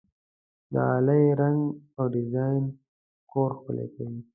د غالۍ رنګ او ډیزاین کور ښکلی کوي.